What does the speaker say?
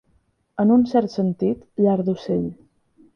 En un cert sentit, llar d'ocell.